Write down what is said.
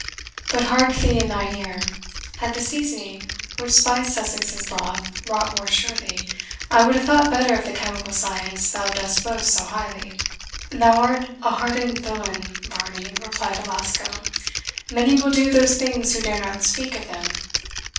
But hark thee in thine ear: had the seasoning which spiced Sussex's broth wrought more surely, I would have thought better of the chemical science thou dost boast so highly." "Thou art an hardened villain, Varney," replied Alasco; "many will do those things who dare not speak of them."